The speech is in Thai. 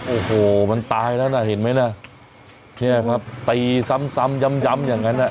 โอ้โหมันตายแล้วนะเห็นไหมน่ะเนี่ยครับตีซ้ำซ้ำย้ำย้ำอย่างนั้นอ่ะ